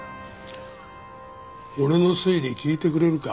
俺の推理聞いてくれるか？